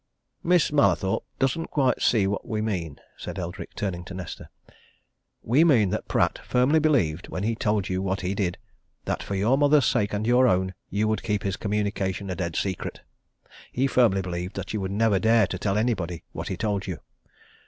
"Miss Mallathorpe doesn't quite see what we mean," said Eldrick, turning to Nesta. "We mean that Pratt firmly believed, when he told you what he did, that for your mother's sake and your own, you would keep his communication a dead secret. He firmly believed that you would never dare to tell anybody what he told you.